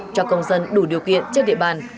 cho công dân đủ điều kiện trên địa bàn